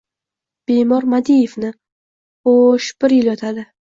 — Bemor Madievmi, xo‘-o‘sh... bir yil yotadi!